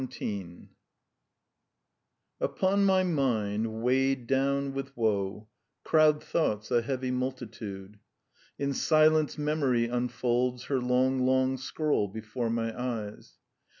XVII "Upon my mind, weighed down with woe, Crowd thoughts, a heavy multitude: In silence memory unfolds Her long, long scroll before my eyes.